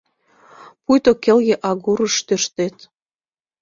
Пуйто келге агурыш тӧрштет.